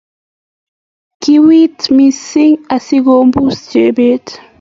kiwiit missing asigombus Chebet